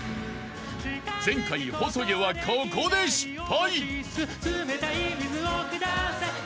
［前回細魚はここで失敗］